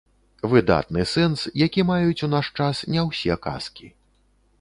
Выдатны сэнс, які маюць у наш час не усе казкі.